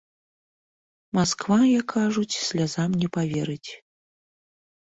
Масква, як кажуць, слязам не паверыць.